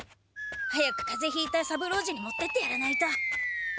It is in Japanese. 早くかぜひいた三郎次に持ってってやらないと。